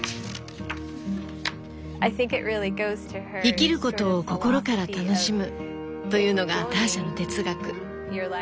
生きることを心から楽しむというのがターシャの哲学。